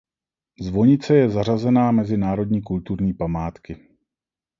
Zvonice je zařazená mezi národní kulturní památky.